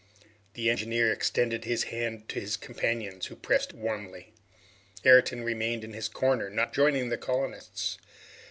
The engineer extended his hand to his companions, who pressed it warmly. Ayrton remained in his corner, not joining the colonists.